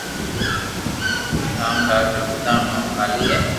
رام لال ري پيتا رو نوم ڪاليي ھي